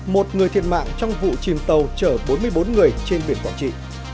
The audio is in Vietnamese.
một người thiệt mạng trong vụ chìm tàu chở bốn mươi bốn người trên biển quảng trị